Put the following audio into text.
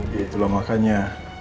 ya itulah makanya